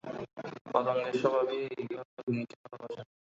পতঙ্গের স্বভাবই এইভাবে অগ্নিকে ভালবাসা।